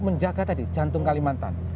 menjaga tadi jantung kalimantan